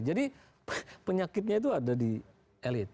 jadi penyakitnya itu ada di elit